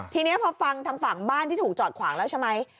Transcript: ทีนี้พอฟังทางฝั่งบ้านที่ถูกจอดขวางแล้วใช่ไหม